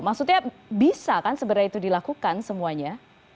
maksudnya bisa kan sebenarnya itu dilakukan semuanya